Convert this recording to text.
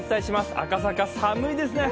赤坂、寒いですね。